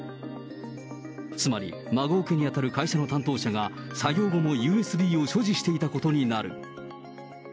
つまり孫請けに当たる会社の担当者が、作業後もＵＳＢを所持していたことになる。